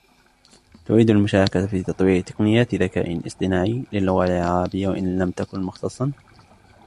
تريد المشاركة في تطوير تقنيات ذكاء اصطناعي للغة العربية و ان لم تكن مختصا